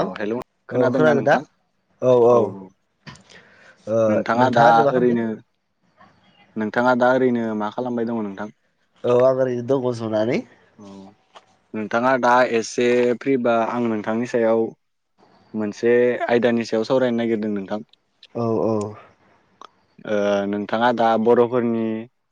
औ हेलौ खोनादोंना खोनादों ना नोंथां औ औ नोंथाङा दा ओरैनो नोंथाङा दा ओरैनो मा खालामबाय दङ नों औ ओरैनो दङ जनानानै। औ नोंथाङा दा एसे फ्रिबा आं नोंथांनि सायाव मोनसे आयदानि सायाव सावरायनो नागिरदों नोंथां। औ औ [inaudible] ओ नोंथाङा दा बर'फोरनि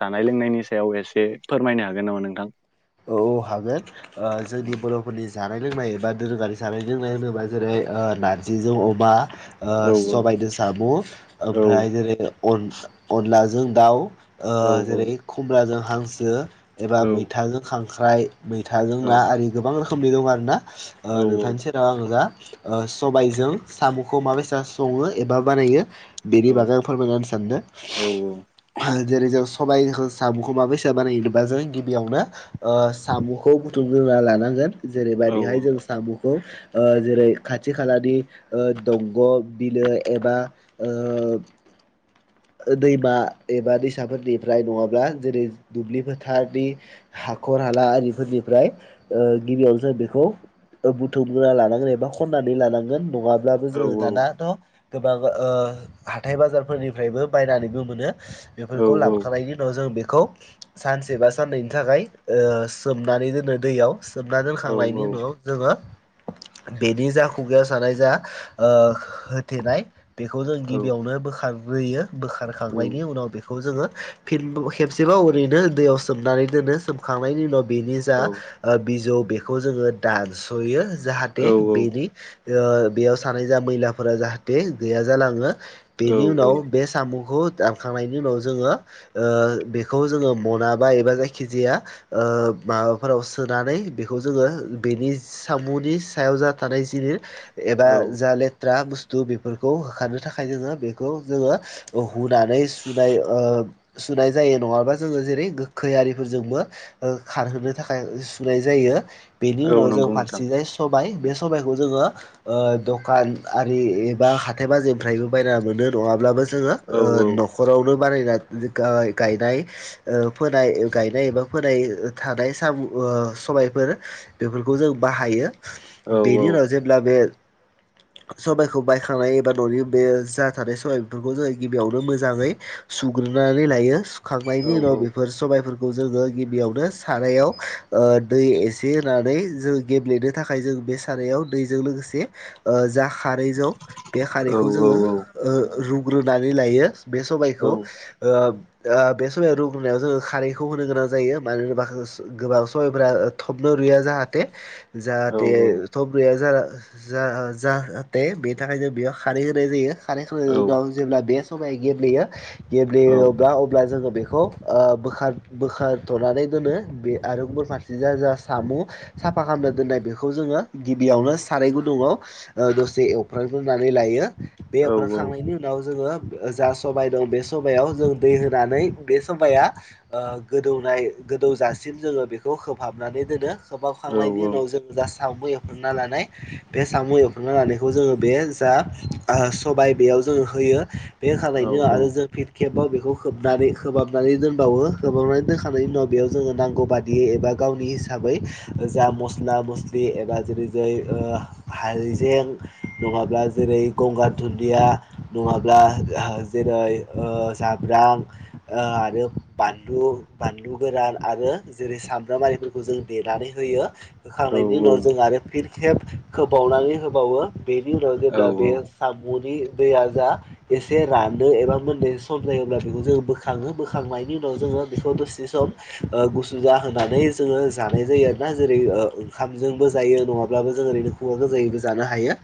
जानाय लोंनायनि सायाव एसे फोरमायनो हागोन नामा नोंथा [unintelligible] औ औ हागोन। ओ जोंनि बर'फोरनि जानाय लोंनाय एबा दोरोङारि जानाय जोंनाय होनोबा जेरै ओ नारजिजों अमा औ ओ सबायदो साम' औ ओमफ्राय जेरै अन-अनलाजों दाउ ओ औ जेरै खुम्राजों हांसो एबा औ मैथाजों खांख्राइ मैथाजों ना आरि गोबां रोखोमनि दं आरो ना ओ औ नोंथांनि सेराव आङो दा ओ सबायजों सामखौ मा बायसा सङो एबा बानायो औ बेनि बागै आं फोरमायना होनो सानदों। जेरै जों सबाइखो सामखौ माबायसा बानायो होनोबा जों गिबियावनो ओ साम'खौ बुथुमग्रोना लानांगोन औ जेरैबायदिहाय जों साम' [unintelligible] ओ जेरै खाथि खालानि ओ दंग' बिलो एबा ओ [inaudible] ओ दैमा एबा दैसाफोरनिफ्राय नङाब्ला जेरै दुब्लि फोथारनि हा खर हाला आरिफोरनिफ्राय ओ गिबियाव जों बेखौ ओ बुथुमग्रोना लानांगोन एबा खन्नानै लानांगोन नङा ब्लाबो औ जोङो दानाथ' गोबां ओ हाथाय बाजार फोरनिफ्रायबो बायनानैबो मोनो। औ बेफोरखौ लाबखानायनि उनाव जों बेखौ सानसे बा साननैनि थाखाय ओ सोमनानै दोनो दैयाव। सोमना औ दोनखांनायनि उनाव जोङो बेनि जा खुगायाव जानाय जा ओ होथेनाय बेखौ जों गिबियावनो बोखारग्रोयो बोखारखांनायनि उनाव बेख खौ जोङो फिन खेबसेबाव ओरैनो दैयाव सोमनानै दोनो। सोमखांनायनि उनाव बिनि जा ओ बिजौ बेखौ जोङो दानस'यो जाहाथे बेनि ओ बेयाव सानाय जा मैलाफोरा जाहाथे गैया जालाङो। औ बेनि औ उनाव बे साम'खौ दानखांनायनि उनाव जोंङो ओ बेखौ जोंङो म'ना बा एबा जायखिजाया ओ माबाफोराव सोनानै बेखौ जोङो बेनि सामुनि सायाव जा थानाय जि इ औ एबा जा लेथ्रा बुस थु बेफोरखौ होखारनो थाखाय जोंङो बेखौ जोंङो ओ हुनानै सुनाय ओ सुनाय जायो नंङाबा जोंङो जेरै गोखै आरिफोरजोंबो ओ खारहोनो थाखाय सुनाय जायो। बेनि औ उनाव जों नंगौ नोंथां फारसेजाय सब बाय बे सबायखौ जोंङो ओ दखान आरि एबा हाथाय बाजिनिफ्रायबो बायना मोनो। नङाब्लाबो जोङो औ ओ औ न'खरावनो बानायना गा गायनाय ओ फोनाय गायनाय एबा फोनाय ओ थानाय सामु ओ सबायफोर बेफोरखौ जों बाहायो। औ बेनि उनाव जेब्ला बे [inaudible] सबाइखौ बायखांनाय एबा न'नि बे जा थानाय सबाय बेफोरखौ जोङो गिबियावनो मोजाङै सु ग्रोनानै लायो। औ सुखांनायनि उनाव बेफोर सबायफोरखौ जोङो गिबियावनो साराव ओ दै एसे होनानै जों गेब्लेनो थाखाय जों बे साराव दैजों लो जे जा खारैजं बे औ खारैखौ औ जोंङो ओ रुग्रोनानै लायो। बे सबायखौ ओ आ बे सबाया रुगुनायाव जोंङो खारैखौ होनो गोनां जायो। मानो होनोबा ओस गोबां समायफ्रा थबनो रुया जाहाथे जाहाथे थब रुया जा जा जाहाथे बेनि थाखाय जों बेयाव खारै होनाय जायो। खारै होखांनायनि उनाव जेब्ला बेस सबाय गेब्लेयो। गेब्लेयोब्ला अब्ला जोङो बेखौ ओ बोखार बोखारथ'नानै दोनो। बे आरो गुबुन फारसे जा जा सामु साफा खालामना दोननाय बेखौ जोंङो गिबियावनो साराय गु दुङाव ओ दसे एफ्रां ग्रोनानै लायो। बे औ एवफ्रां खांनायनि उनाव जोंङो जा सबाय दं बे सबायाव जों दै होनानै बे सबाया ओ गोदौनाय गोदौ जाासिम जोंङो बेखौ खोबहाबनानै दोनो खोबहाबखांनायनि उनाव जों गासै साम' एवखना लानाय बे साम' एवख्रना लानायखौ जो बे जा सबाय बेयाव जों होयो बे होनानायनि आरो जों खेबाव बेखौबनानै खोबाबनानै दोनबावोबाबनानै दोनखांनायनि उनाव बेयाव जोंङो नां नांगौ बादियै एबा गावनि हिसाबै जा मस्ला मस्लि एबा जेरै जाय ओ हायजें नंङाब्ला जेरै गंगार दुन्दिया नंङाब्ला जिरा जाब्रां आरो बानलु बानलु गोरान आरो जेरै सामब्रामारिफोरखौ जों देनानै होयो होखांनायनि उनाव जों आरो फिन खोबावनानै होबावो बेनि उनाव जेब्ला बे साम'नि दैया जा एसे रानो एबा मोनदैसे स जायोब्ला बेखौ जों बोखाङो बोखांनायनि उनाव जों बेखौ दसे सम गु सु जाहोनानै जोंङो जानाय जायो आरोना जेरै ओंखामजोंबो जायो नङाब्लाबो जों ओरैनो ओरैनोबो जानो हायो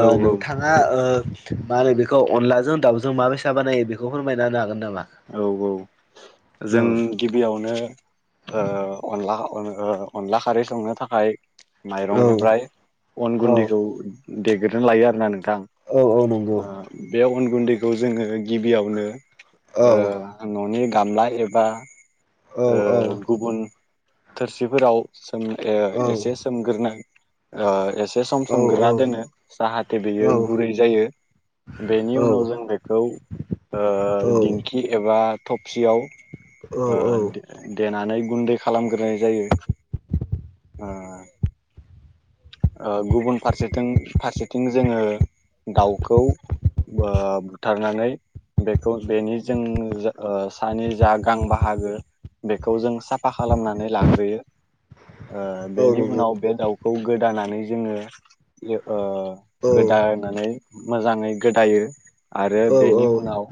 औ नोंथांङा ओ मा होनो बेखौ अनलाजों दाउजों माबोरै स बानायो बेखौ फोरमायनाो हागोन नामा? औ औ औ जों गिबियावनो अनला अनला खारै संनो थाखाय औ माइरंनिफ्राय अन औ गुन्दैखौ देग्रनानै लायो आरोना नों थां औ औ नंगौ बे अन गुन्दैखौ जोंङो गिबियावनो औ न'नि गामला एबा औ औ गुबुन थोरसिफोराव एसे औ सोमगोरोनो ए एसे सम समग्रोना दोनो जाहाथे बेयो औ गुरै जायो। बेनि उनाव जों औ बेखौ औ गिबि उवाल थबसियाव औ ओ देना गुन्दै खालामग्रोनाय जायो। ओ गुबुन फारसेथिं फारसेथिं जोंङो दाउखौ ओ बुथारनानै बेखौ बेनि जों सानि जा गां बाहागो बेखौ जों साफा खालामनानै लाग्रोयो। औ बेनि नंगौ उनाव बे दाउखौ गोदानानै जोङो ओ एल ओ औ गोदानानै मोजाङै गोदायो। आरो बेनि औ उनाव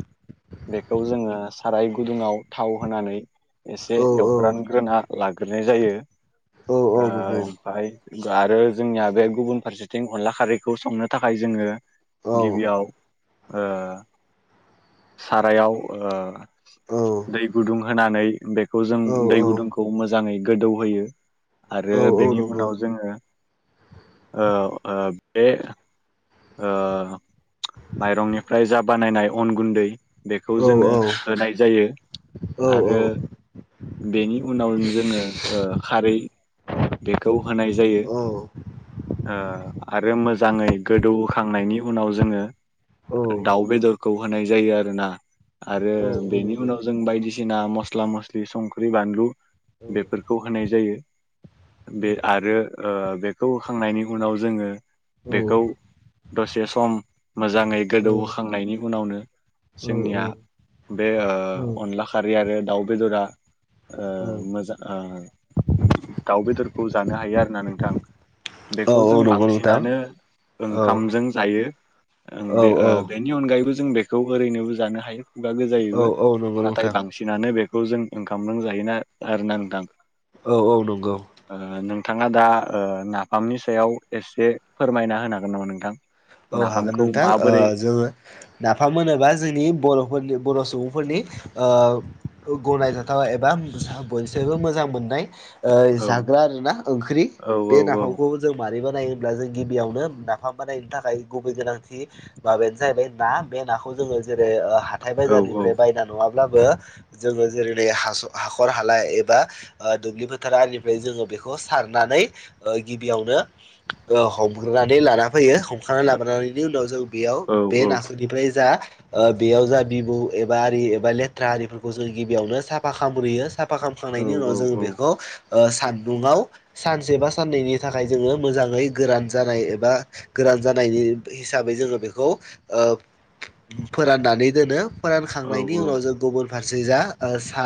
बेखौ जोङो साराय गुदुङाव थाव होनानै एसे औ एवग्रानग्रोना लाग्रोनाय जायो। ओ औ नंगौ ओमफ्राय आरो जोंनिया बे गुबुन फारसेथिं अनला खारैखौ संनो थाखाय जोङो औ गिबियाव ओ सारायाव ओ औ दै गुदुं होनानै बेखौ जों औ नंगौ औ दै औ गुदुंखौ मोजाङै गोदौ होयो आरो बेनि नंगौ उनाव औ आ आ बे ओ माइरंनिफ्राय जा बानायनाय अन गुनदै बेखौ औ जोङो होनाय जायो आरो। बेनि उनाव जोङो खारै बेखौ होनाय जायो आ आरो मोजाङै गोदौ बोखांनायनि उनाव जोङो दाउ बेदरखौ होनाय जायो आरोना। आरो बेनि उनाव जों बायदिसिना मस्ला मस्लि संख्रि बानलु बेफोरखौ होनाय जायो। बे आरो ओ बेखौ होखांनायनि उनाव जोङो बेखौ औ दसे सम मोजाङै गोदौहोखांनायनि उनावनो जोंनिया बे अनला खारै आरो दाउ बेदरा आ मोजां आ दाउ बेदरखौ नो हायो आरोना नोंथां बेखौ जों नंगौ नोंथां बांसिनानो औ ओंखामजों जायो। औ बे ओ औ बेनि अनगायै आगायैबो जों बेखौ ओरैनोबो जानो हायो। खुगा औ गोजायैबो औ नंगौ नाथाय नोंथां बांसिनानो बे खौ जों ओंखामजों जायोना आरोना नोंथां। औ औ नंगौ ओ नोंथाङा दा नाफामनि सायाव एसे फोरमायना होनो हागोन नामा नोंथां? औ हागोन नाफामखौ नोंथां ओ माबोरै जोङो नाफाम मोनोबा जोंनि बर'फोरनि बर' सुबुं फोरनि ओ गनायजाथाव एबा बयनिसायबो मोजां मोननाय औ जाग्रा आरोना ओंख्रि औ औ बे औ नाफामखौ जों मारैबा नायोब्ला जों गिबियावनो नाफाम बानायनो थाखाय गुबै गोनांथि माबायानो जाहैबाय ना बे नाखौ जोङो जेरै हाथाइ औ बाजारनिफ्राय बायना नङाबा ब्लाबो जोङो जेरै हाखर हाला एबा दुब्लि फोथार आरि फोरनिफ्राय जोङो बेखौ सारनानै गिबियावनो हमग्रोनानै लाना फैयो। खनानै लाबोनायनि उनाव जों बेयाव औ बे औ नाखोनिफ्राय जा बेयाव जा बिबु एबा आरि एबा लेथ्रा आरिफोरखौ जों गिबियावनो साफा खामग्रोयो साफा फा खालामखांनायनि उनाव औ जोङो बेखौ सानदुङाव सानसे बा साननैनि थाखाय जोङो मोजाङै गोरान जानाय एबा गोरान जानायनि हिसाबै जोङो बेखौ फोराननानै दोनो। फोरानखांनायनि औ उनाव जों गुबुन फारसे जा सा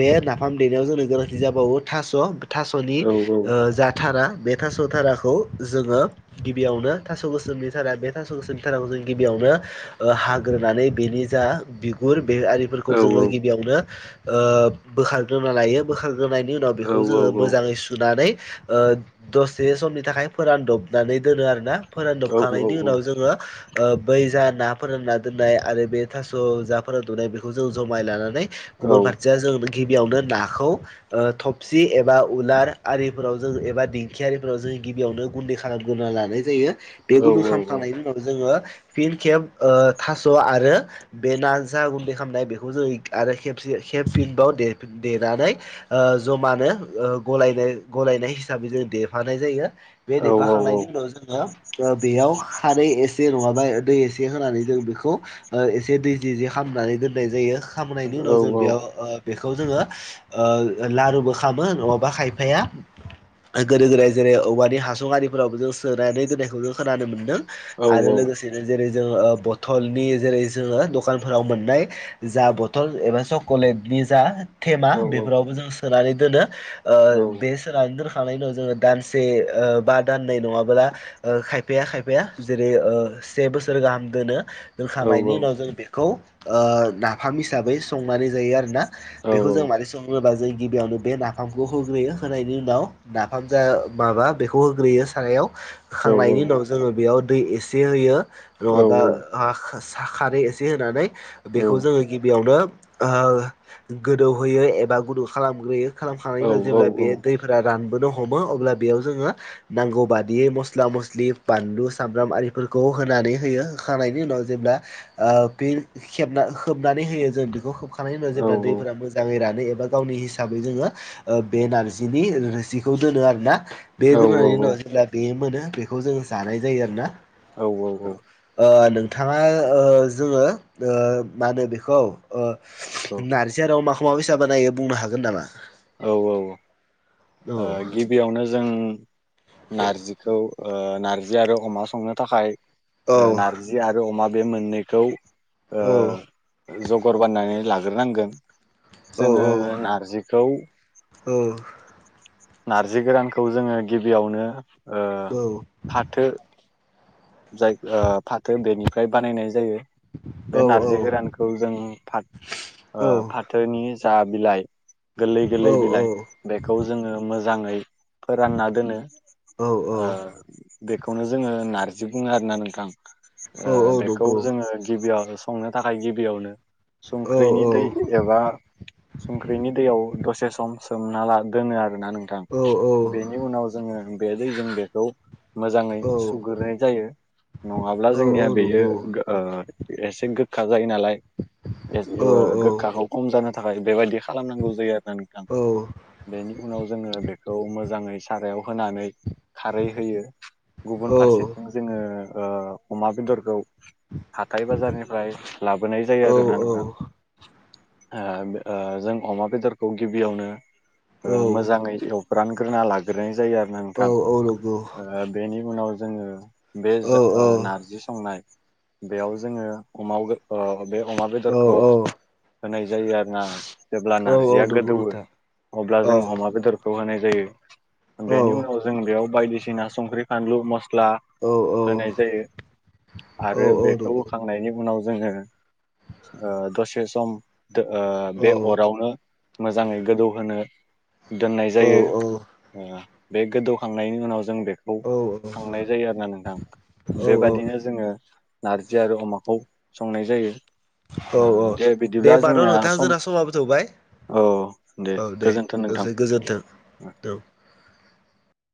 बे नाफाम देनायाव जोंनो गोनांथि जाबावो थास' थास'नि औ औ औ जा थारा बे थास' थाराखौ जोङो गिबियावनो थास' गोसोमनि थारा बे थास' गोसोमनि थाराखौ जों गिबियावनो हाग्रोनानै बेनि जा बिगुर बे औ आरिफोरखौ जोङो गिबियावनो ओ बोखारग्रोना लायो बोखार रोंनायनि उनाव बेखौ जोङो मोजाङै सुनानै ओ दसे समनि थाखाय फोरानदब नानै दोनो आरोना फोरानदबखांनायनि उनाव जोङो बै जा ना फोरना दोननाय आरो बे थास' जा फोर उन्दुनाय बेखौ जों जमाय लानानै [unintelligible] गिबियावनो नाखौ ओ थबसि एबा उलार आरिफोराव जों एबा दिंखि आरिफोराव जों गिबियावनो गुन्दै खालामग्रोना लानाय जायो बे गुन्दै खालामखांनायनि उनाव जोङो फिन खेब ओ थास' आरो बे ना जा गुन्दै खालामनाय बेखौ जों आरो खेबसे खेबफिन बाव देनानै ओ जमानो ग गलायनाय हिसाबै जों देफानाय जायो। बे देफाखांनायनि उनाव जोङो बेयाव खारै एसे नङाबा दै एसे होनानै जों बेखौ एसे दै जि जे खालामामनानै दोननाय जायो। खामनायनि उनाव जों बेयाव बेखौ जोङो ओ लारुबो खामो नङाबा खायफाया गोदो गोदाय जेरै औवानि हासुं आरि फोरावबो जों सोनानै दोननायखौ जों खोनानो मोन्दों आरो लोगोसेनो जेरै जों बथलनि जेरै जोङो दखानफोराव मोननाय जा बथल एबा चक'लेटनि जा थेमा बेफोरावबो जों सोनानै दोनो ओ बे सोनानै दोन खांनायनि उनाव जोङो दानसे बा दाननै नङाब्ला खायफाया खायफाया जेरै से बोसोर गाहाम दोनो। दोनखांनायनि उनाव जों बेखौ नाफाम हिसाबै संनानै जायो आरोना। बेखौ जों माने सङोबा जों गिबियावनो बे नाफामखौ होग्रोयो होनायनि उनाव नाफाम जा माबा बेखौ होग्रोयो सारायाव होखांनायनि उनाव जोङो बेयाव दै एसे होयो नङाबा खारै एसे होनानै बेखौ जोङो गिबियावनो ओ गोदौ होयो एबा गुदुं खालामो। ग्रोयो खालामखांनायनि उनाव जेब्ला बे दैफोरा रानबोनो हमो अब्ला बेयाव जोङो नांगौ बादियै मस्ला मस्लि बानलु सामब्राम आरिफोरखौ होनानै होयो होखांनायनि उनाव जेब्ला ओ फिन खेबना- खोबनानै होयो जों बेखौ खोबखांनायनि उनाव जेब्ला दैफोरा मोजाङै रा नो एबा गावनि हिसाबै जोङो ओ बे नारजिनि रोसिखौ दोनो आरोना बे औ औ दोननायनि औ उनाव जेब्ला बे मोनो बेखौ जों जानाय जायो आरोना औ औ ओ नों नोंथाङा ओ जोङो ओ मा होनो बेखौ नारजि आरो अमाखौ मा बायसा बानायो बुंनो हागोन नामा? औ औ ओ औ गिबियावनो जों नारजिखौ ओ नार्जि आरो अमा संनो थाखाय औ नारजि आरो अमा बे मोननैखौ ओ औ जगार बानायनानै लाग्रोनांगोन औ जोङो नारजिखौ औ नारजि गोरानखौ जोङो गिबियावनो ओ औ फाथो जाय ओ फाथो बेनिफ्राय बानायनाय जायो औ बे औ नारजि गोरानखौ जों फाथ ओ फाथोनि जा बिलाइ गोरलै गोरलै बिलाइ बेखौ जोङो मोजाङै फोरानना दोनो औ ओ बेखौनो जोङो नार जि बुङो आरोना नोंथां ओ औ औ बेखौ नंगौ जोङो गिबियाव संनो थाखाय गिबियावनो औ संख्रिनि दै औ एबा संख्रिनि दैयाव दसे सम सोमना ला दोनो आरो आरो नोंथां औ औ बेनि उनाव जोङो बे दैजों बेखौ मोजाङै औ सुग्रोनाय जायो नङाब्ला औ औ जोंनिया बेयो नंगौ एसे गोखा जायो नालाय औ ओ गोखाखौ खम जानो थाखाय बेबादि खालामनांगौ जायो आरो ना नोंथां औ बेनि उनाव जोङो बेखौ मोजाङै सारायाव होनानै खारै होयो गुबुन फारसे ओ ओ अमा बेदरखौ हाथाय बाजारनिफ्राय लाबोनाय जायो औ आरोना नोंथां ओ ओ जों अमा बेदरखौ गिबियावनो ओ मोजाङै एव फोरानग्रोना लाग्रोनाय जायो आरो ना नंगौ औ नोंथां ओ बेनि उनाव जोङो बे जा ओ नारजि संनाय बेयाव जोङो अमावस ओ बे अमा औ बेदरखौ होनाय जायो आरो ना जेब्ला औ नारजिया नंगौ गोदौवो नोंथां अब्ला औ जों अमा बेदर खौ होनाय जायो औ बेनि उनाव जों बेयाव बायदिसिना संख्रि फानलु मस्ला औ औ होनाय जायो नंगौ औ आरो बेखौ होखांनायनि उनाव जोङो ओ दसे सम ओ बे अरावनो मोजाङै गोदौहोनो दोननाय जायो बे गोदौखांनायनि उनाव जों बेखौ औ औ खांनाय जायो आरो ना नों थां बेबादिनो जोङो नारजि आरो अमाखौ संनाय जायो दे बिदिब्ला होमबा न' जोंनिया नोंथां सम जोंना समाबो थौबाय औ दे औ गोजोन्थों नोंथां दसे गोजोन्थों औ